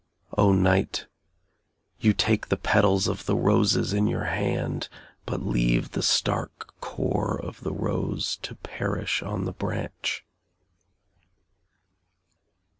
O night, you take the petals of the roses in your hand, but leave the stark core of the rose to perish on the branch.